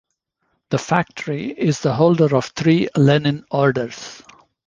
The factory is the holder of three Lenin Orders.